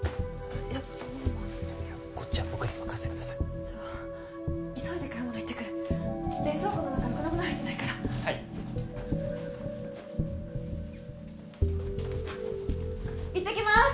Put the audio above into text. いやでもこっちは僕に任せてくださいじゃあ急いで買い物行ってくる冷蔵庫の中ろくなもの入ってないからはい行ってきます